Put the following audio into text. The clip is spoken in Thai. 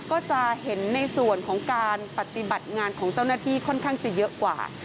ก็จะเห็นในส่วนของการปฏิบัติงานของเจ้าหน้าที่ค่อนข้างจะเยอะกว่า